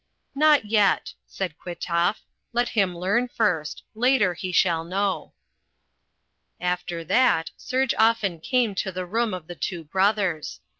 "Not yet," said Kwitoff. "Let him learn first. Later he shall know." After that Serge often came to the room of the two brothers.